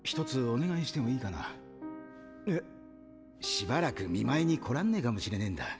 しばらく見舞いに来らんねぇかもしれねぇんだ。